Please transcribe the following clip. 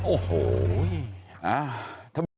โอ้โห